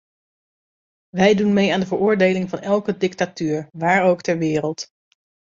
Wij doen mee aan de veroordeling van elke dictatuur, waar ook ter wereld.